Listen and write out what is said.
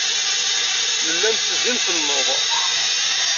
Nella nettezzi, nettenneḍ.